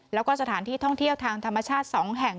แล้วก็สถานที่ท่องเที่ยวทางธรรมชาติ๒แห่ง